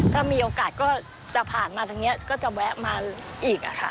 ถ้ามีโอกาสก็จะผ่านมาทางนี้ก็จะแวะมาอีกค่ะ